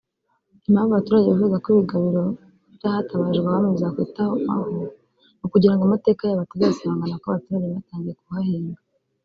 Impamvu abaturage bifuza ko ibigabiro by’ahatabarijwe abami byakwitawaho ni ukugirango amateka yaho atazasibangana kuko abaturage batangiye kuhahinga